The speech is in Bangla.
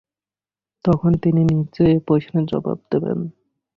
তখন তিনি নিশ্চয়ই এই প্রশ্নের জবাব দেবেন।